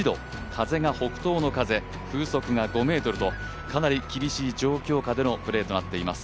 風が北東の風、風速５メートルとかなり厳しい状況下でのプレーとなっています。